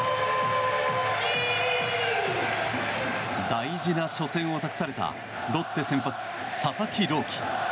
大事な初戦を託されたロッテ先発、佐々木朗希。